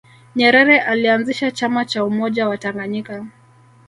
nyerere alianzisha chama cha umoja wa tanganyika